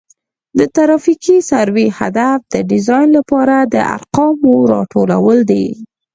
د ترافیکي سروې هدف د ډیزاین لپاره د ارقامو راټولول دي